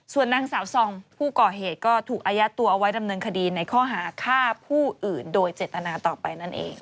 ส่วนนางสาวซองผู้ก่อเหตุก็ถูกอายัดตัวเอาไว้ดำเนินคดีในข้อหาฆ่าผู้อื่นโดยเจตนาต่อไปนั่นเอง